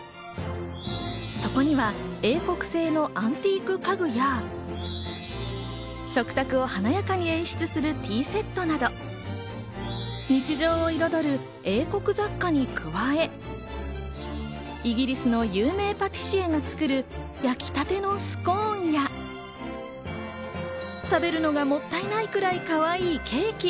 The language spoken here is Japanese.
そこには英国製のアンティーク家具や、食卓を華やかに演出するティーセットなど、日常を彩る英国雑貨に加え、イギリスの有名パティシエが作る焼きたてのスコーンや、食べるのがもったいないくらいかわいいケーキ。